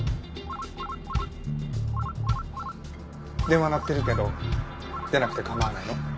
電話鳴ってるけど出なくて構わないの？